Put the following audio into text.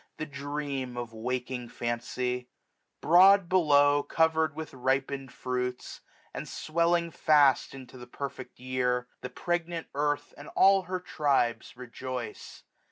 The dream of waking fancy ! Broad below, 1375 CoverM with ripening fruits, and swelling fast Into the perfect year, the pregnant earth And all her tribes rejoice.